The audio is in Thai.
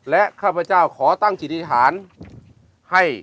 และข้าพเจ้าขอตั้งจิตธิษฐานให้